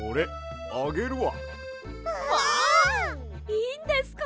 いいんですか！？